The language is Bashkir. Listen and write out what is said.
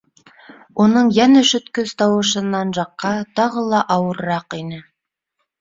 Уның йән өшөткөс тауышынан Жакҡа тағы ла ауырыраҡ ине.